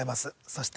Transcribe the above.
そして。